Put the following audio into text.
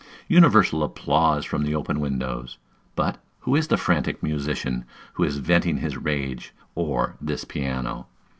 Universal applause from the open windows! But who is the frantic musician who is venting his rage or this piano?